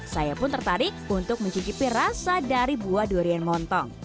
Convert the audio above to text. saya pun tertarik untuk mencicipi rasa dari buah durian montong